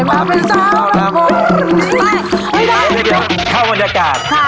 ที่วันเดียวเข้าบรรยากาศ